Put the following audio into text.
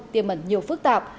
tiêm ẩn nhiều phức tạp